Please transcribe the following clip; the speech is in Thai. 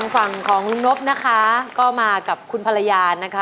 ฝั่งของลุงนบนะคะก็มากับคุณภรรยานะคะ